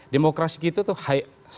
demokrasi kita tuh high